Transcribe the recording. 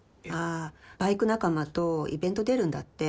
あバイク仲間とイベント出るんだって。